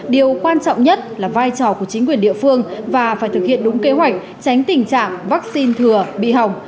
điều quan trọng nhất là vai trò của chính quyền địa phương và phải thực hiện đúng kế hoạch tránh tình trạng vaccine thừa bị hỏng